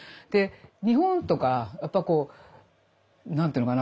日本とかやっぱこう何て言うのかな